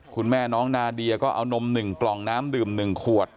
คุณแม่น้องนาเดียก็เอานม๑กล่องน้ำดื่ม๑ขวด